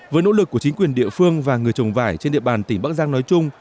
với nỗ lực của chính quyền địa phương và người trồng vải trên địa bàn tỉnh bắc giang nói chung